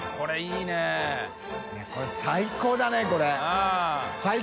いやこれ最高だねこれ！